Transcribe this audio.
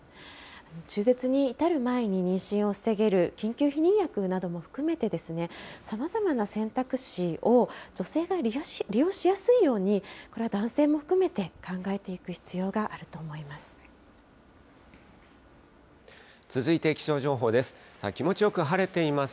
中絶に至る前に妊娠を防げる緊急避妊薬なども含めて、さまざまな選択肢を女性が利用しやすいように、これは男性も含めて考えていく必要があると思います。